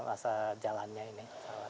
masa jalannya ini